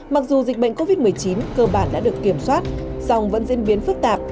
mặc dù dịch bệnh covid một mươi chín cơ bản đã được kiểm soát dòng vẫn diễn biến phức tạp